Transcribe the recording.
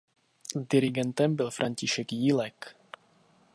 Dirigentem byl František Jílek.